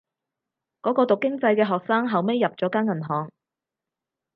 嗰個讀經濟嘅學生後尾入咗間銀行